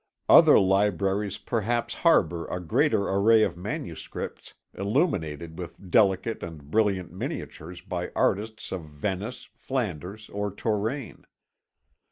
Other libraries perhaps harbour a greater array of manuscripts illuminated with delicate and brilliant miniatures by artists of Venice, Flanders, or Touraine.